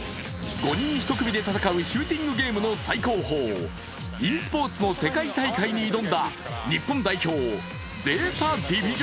５人１組で戦うシューティングスポーツの最高峰、ｅスポーツの世界大会に挑んだ日本代表ＺＥＴＡＤＩＶＩＳＩＯＮ。